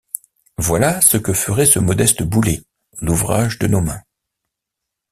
Voilà ce que ferait ce modeste boulet, l’ouvrage de nos mains!